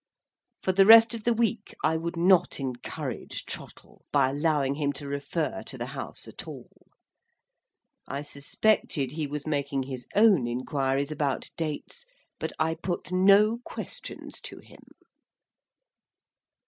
For the rest of the week I would not encourage Trottle by allowing him to refer to the House at all. I suspected he was making his own inquiries about dates, but I put no questions to him.